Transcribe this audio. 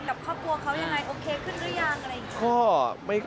กับครอบครัวเขายังไงโอเคขึ้นหรือยังอะไรอย่างนี้